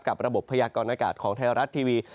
ระบบพยากรณากาศของไทยรัฐทีวี